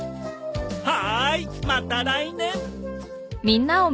はーいまた来年！